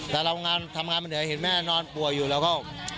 แต่ทำงานมาเหนื่อยเห็นแม่นอนป่วยอยู่เราก็